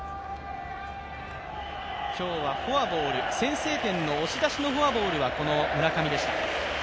今日は、先制点の押し出しのフォアボールはこの村上でした。